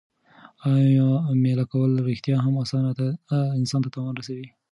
آیا مېله کول رښتیا هم انسان ته تاوان رسوي؟